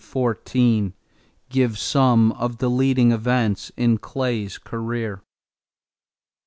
Give some of the leading events in Clay's career.